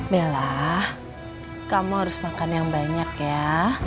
bella kamu harus makan yang banyak ya